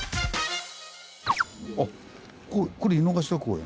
あっこれ井の頭公園。